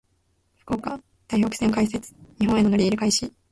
福岡・台北線開設。日本への乗り入れ開始。